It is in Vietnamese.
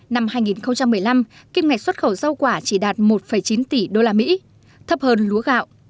năm hai nghìn một mươi năm kim ngạch xuất khẩu rau quả chỉ đạt một chín tỷ usd thấp hơn lúa gạo